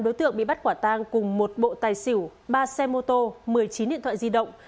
ba đối tượng bị bắt quả tang cùng một bộ tài xỉu ba xe mô tô một mươi chín điện thoại di động